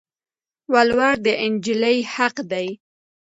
ولوړ د انجلی حق دي